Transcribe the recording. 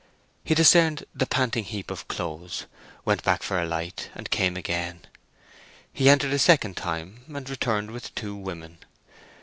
He discerned the panting heap of clothes, went back for a light, and came again. He entered a second time, and returned with two women.